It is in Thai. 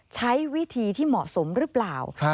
ใช้วิธีที่เหมาะสมหรือเปล่า